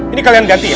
ini kalian ganti ya